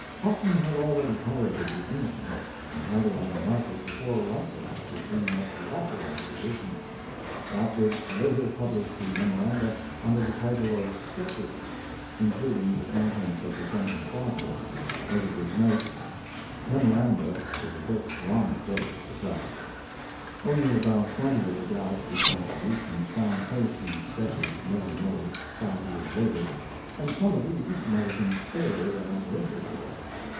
Hotten had already pirated The Innocents, and had it on the market before Routledge could bring out the authorized edition. Routledge later published the "Memoranda" under the title of Sketches, including the contents of the Jumping Frog book.] a book long ago suppressed. Only about twenty of the Galaxy contributions found place in Sketches New and Old, five years later, and some of these might have been spared as literature.